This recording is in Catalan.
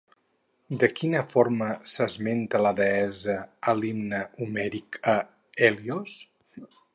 De quina forma s'esmenta la deessa a l'Himne homèric a Hèlios?